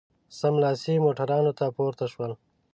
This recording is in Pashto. سملاسي موټرانو ته پورته شولو.